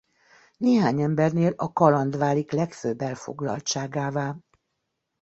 Néhány embernél a kaland válik legfőbb elfoglaltságává.